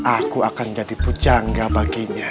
aku akan jadi pujaan gak baginya